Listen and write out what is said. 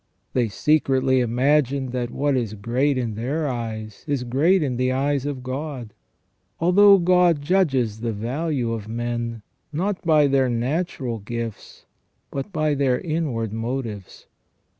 They secretly imagine that what is great in their eyes is great in the eyes of God, although God judges the value of men, not by their natural gifts, but by their inward motives.